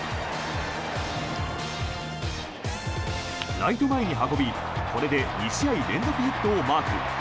ライト前に運び、これで２試合連続ヒットをマーク。